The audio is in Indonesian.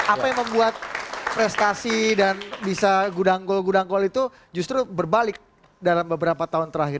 apa yang membuat prestasi dan bisa gudang gol gudang gol itu justru berbalik dalam beberapa tahun terakhir